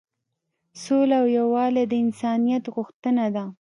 سوله او یووالی د انسانیت غوښتنه ده.